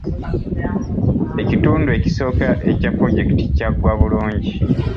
Ekitundu ekisooka ekya pulojekiti kyaggwa bulungi